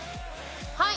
はい